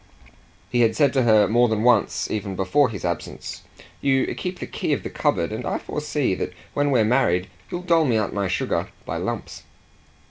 He had said to her more than once even before his absence: "You keep the key of the cupboard, and I foresee that when we're married you'll dole me out my sugar by lumps."